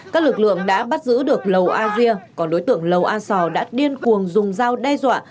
các lực lượng đã bắt giữ được lầu asia còn đối tượng lầu assaw đã điên cuồng dùng dao đe dọa